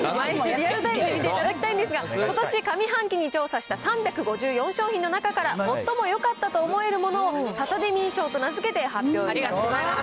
ぜひ見ていただきたいんですが、ことし上半期に調査した３５４商品の中から、もっともよかったと思えるものをサタデミー賞と名付けて発表いたします。